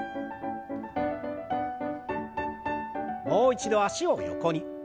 もう一度脚を横に。